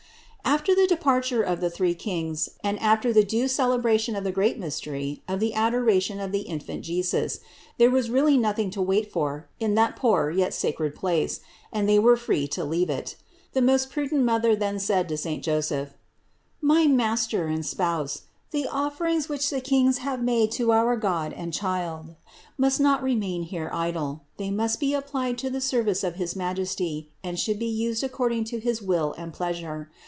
573. After the departure of the three Kings and after the due celebration of the great mystery of the adoration of the Infant Jesus, there was really nothing to wait for in that poor yet sacred place, and they were free to leave it. The most prudent Mother then said to saint Joseph: "My master and spouse, the offerings which the Kings have made to our God and Child must not remain here idle; but they must be applied in the service of his Majesty and should be used according to his will and pleasure.